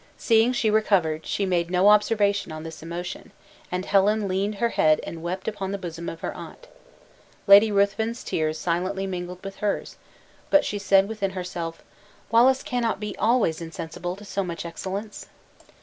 Seeing she recovered, she made no observation on this emotion, and Helen leaned her head and wept upon the bosom of her aunt. Lady Ruthven's tears silently mingled with hers; but she said within herself, "Wallace cannot be always insensible to so much excellence!"